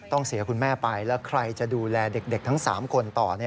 เสียคุณแม่ไปแล้วใครจะดูแลเด็กทั้ง๓คนต่อ